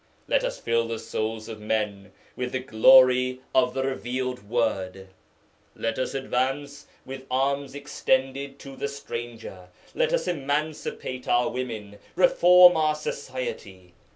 Let us fill the souls of men with the glory of the revealed word. Let us advance with arms extended to the stranger. Let us emancipate our women, reform our society.